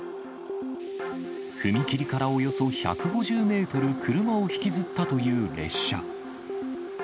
踏切からおよそ１５０メートル車を引きずったという列車。